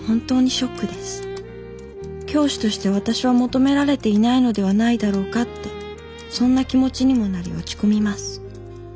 教師として私は求められていないのではないだろうかってそんな気持ちにもなり落ち込みます」。